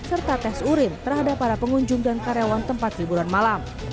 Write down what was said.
serta tes urin terhadap para pengunjung dan karyawan tempat hiburan malam